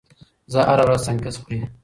زه هره ورځ سنکس خوري.